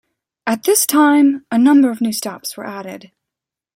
At this time a number of new stops were added.